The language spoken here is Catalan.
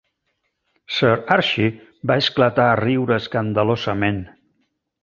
Sir Archie va esclatar a riure escandalosament.